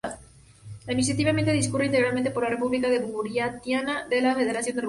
Administrativamente, discurre íntegramente por la república de Buriatia de la Federación de Rusia.